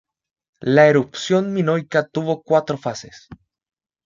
La erupción minoica tuvo cuatro fases.